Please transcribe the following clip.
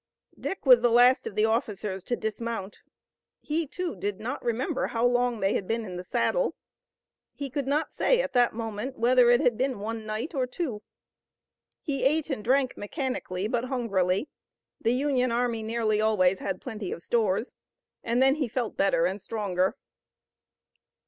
Dick was the last of the officers to dismount. He, too, did not remember how long they had been in the saddle. He could not say at that moment, whether it had been one night or two. He ate and drank mechanically, but hungrily the Union army nearly always had plenty of stores and then he felt better and stronger.